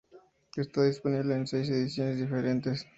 Está disponible en seis ediciones diferentes.